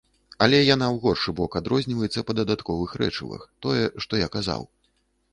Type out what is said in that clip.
Але яна ў горшы бок адрозніваецца па дадатковых рэчывах, тое, што я казаў.